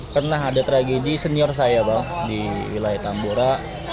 pernah ada tragedi senior saya bang di wilayah tambora